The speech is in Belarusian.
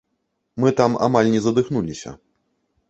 Мы там амаль не задыхнуліся.